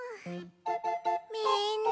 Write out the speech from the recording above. みんな。